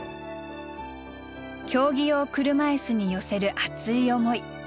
競技用車いすに寄せる熱い思い。